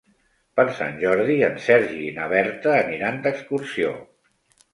Per Sant Jordi en Sergi i na Berta aniran d'excursió.